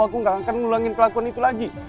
aku gak akan ngulangin kelakuan itu lagi